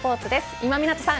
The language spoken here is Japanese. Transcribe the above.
今湊さん